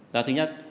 là thứ nhất